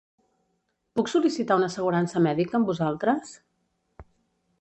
Puc sol·licitar una assegurança mèdica amb vosaltres?